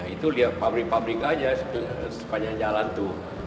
itu lihat pabrik pabrik aja sepanjang jalan tuh